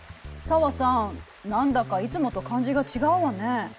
紗和さん何だかいつもと感じが違うわね。